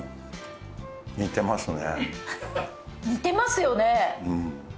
似てますよね？